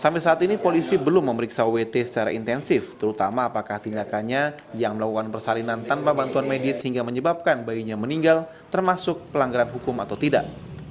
sampai saat ini polisi belum memeriksa wt secara intensif terutama apakah tindakannya yang melakukan persalinan tanpa bantuan medis hingga menyebabkan bayinya meninggal termasuk pelanggaran hukum atau tidak